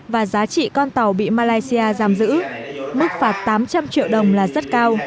và giá trị con tàu bị malaysia giam giữ mức phạt tám trăm linh triệu đồng là rất cao